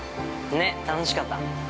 ◆ねっ、楽しかった。